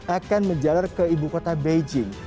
akan menjalar ke ibu kota beijing